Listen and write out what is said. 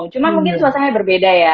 cuma mungkin suasananya berbeda ya